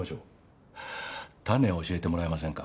タネを教えてもらえませんか？